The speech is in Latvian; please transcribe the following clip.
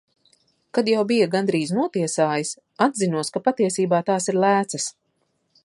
Kad jau bija gandrīz notiesājis, atzinos, ka patiesībā tās ir lēcas.